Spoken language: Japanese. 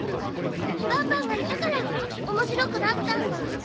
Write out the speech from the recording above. バンバンがいたからおもしろくなったんだ。